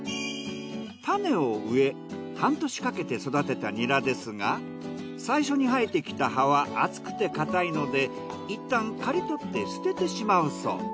種を植え半年かけて育てたニラですが最初に生えてきた葉は厚くて硬いのでいったん刈り取って捨ててしまうそう。